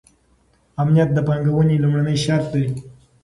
امنیت د پانګونې لومړنی شرط دی.